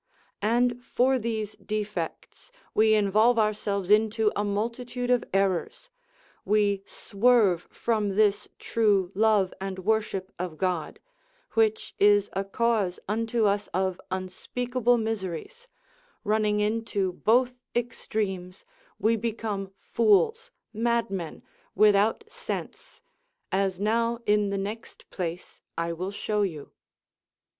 And for these defects, we involve ourselves into a multitude of errors, we swerve from this true love and worship of God: which is a cause unto us of unspeakable miseries; running into both extremes, we become fools, madmen, without sense, as now in the next place 1 will show you.